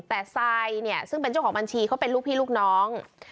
แต่ซายเนี่ยซึ่งเป็นเจ้าของบัญชีเขาเป็นลูกพี่ลูกน้อง